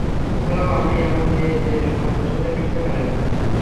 এছাড়াও আমি এমন মেয়ে যে সমাজের সাথে মিশতে পারে না।